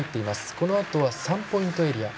このあとは３ポイントエリア。